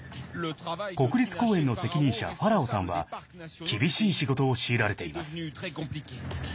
国立公園の責任者ファラオさんは厳しい仕事を強いられています。